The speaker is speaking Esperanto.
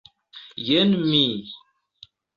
Jen mi!